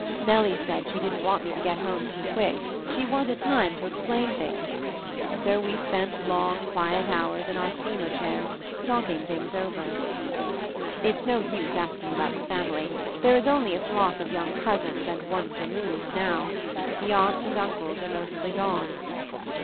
Nellie said she didn't want me to get home too quick; she wanted time to explain things. So we spent long, quiet hours in our steamer chairs, talking things over. It's no use asking about the family; there is only a flock of young cousins and "once removed" now; the aunts and uncles are mostly gone.